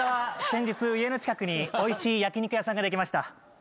先日家の近くにおいしい焼き肉屋さんができました。